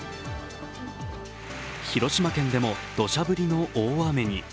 広島県でも、どしゃ降りの大雨に。